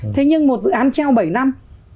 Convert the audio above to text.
thế nhưng một dự án treo bảy năm